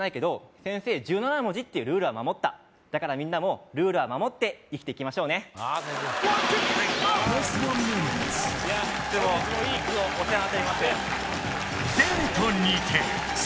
先生１７文字っていうルールは守っただからみんなもルールは守って生きていきましょうねいや本日もいい句をいつもお世話になっております